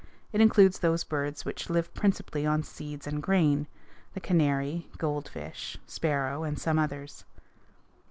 It includes those birds which live principally on seeds and grain the canary, goldfinch, sparrow, and some others.